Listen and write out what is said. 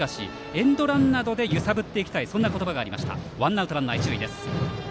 エンドランなどで揺さぶりたいという言葉がありました。